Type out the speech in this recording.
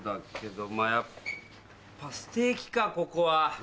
やっぱステーキかここは。